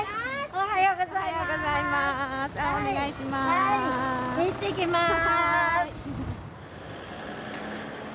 おはようございます！